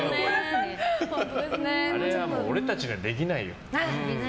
俺たちにはできないよ。